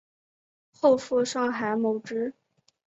后赴上海谋职。